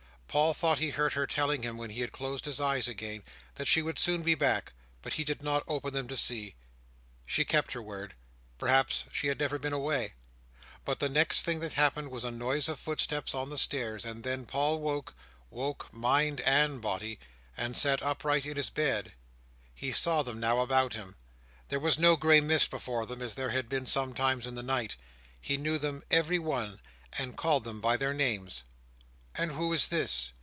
Paul thought he heard her telling him when he had closed his eyes again, that she would soon be back; but he did not open them to see. She kept her word—perhaps she had never been away—but the next thing that happened was a noise of footsteps on the stairs, and then Paul woke—woke mind and body—and sat upright in his bed. He saw them now about him. There was no grey mist before them, as there had been sometimes in the night. He knew them every one, and called them by their names. "And who is this?